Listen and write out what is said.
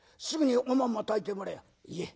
すぐにおまんま炊いてもらやあ」。